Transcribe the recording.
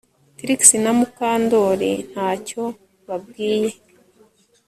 Trix na Mukandoli ntacyo babwiye